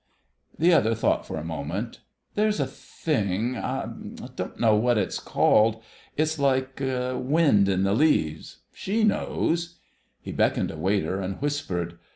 The other thought for a moment. "There's a thing ... I don't know what it's called ... it's like wind in the leaves—she knows." He beckoned a waiter and whispered.